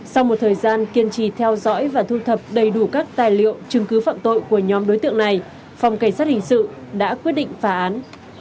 sau một thời gian kiên trì theo dõi và thu thập đầy đủ các tài liệu chứng cứ phạm tội của nhóm đối tượng này phòng cảnh sát hình sự đã quyết định phá án